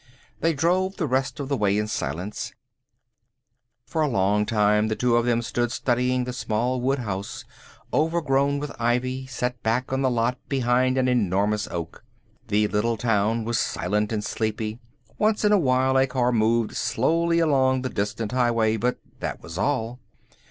They drove the rest of the way in silence. For a long time the two of them stood studying the small wood house, overgrown with ivy, set back on the lot behind an enormous oak. The little town was silent and sleepy; once in awhile a car moved slowly along the distant highway, but that was all.